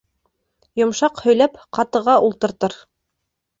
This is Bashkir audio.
Йомшаҡ һөйләп, ҡатыға ултыртыр.